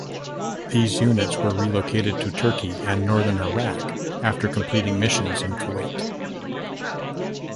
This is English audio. These units were relocated to Turkey and Northern Iraq after completing missions in Kuwait.